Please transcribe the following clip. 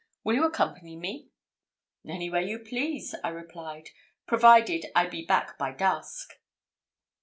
Will you accompany me?" "Anywhere you please," I replied, "provided I be back by dusk."